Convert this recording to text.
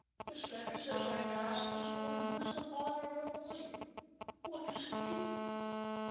"This letter says I am to ask this woman who is the father of her boy. What does it mean?"